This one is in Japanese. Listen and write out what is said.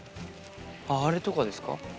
あれとかですか？